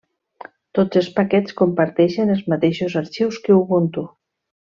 Tots els paquets comparteixen els mateixos arxius que Ubuntu.